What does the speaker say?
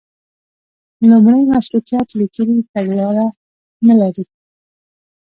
لومړی مشروطیت لیکلي تګلاره نه لري.